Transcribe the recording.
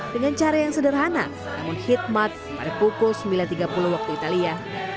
dengan cara yang sederhana namun khidmat pada pukul sembilan tiga puluh waktu italia